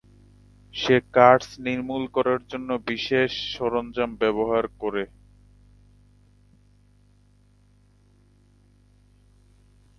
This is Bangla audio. সে কার্স নির্মূল করার জন্য বিশেষ সরঞ্জাম ব্যবহার করে।